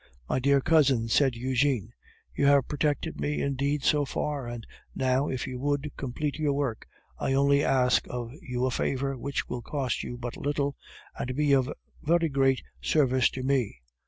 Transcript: "My dear cousin," said Eugene, "you have protected me indeed so far, and now if you would complete your work, I only ask of you a favor which will cost you but little, and be of very great service to me.